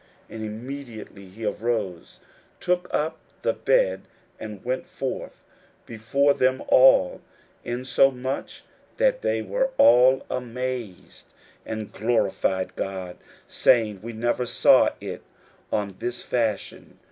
41:002:012 And immediately he arose, took up the bed, and went forth before them all; insomuch that they were all amazed, and glorified God, saying, We never saw it on this fashion.